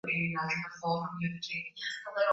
Njoo kwetu leo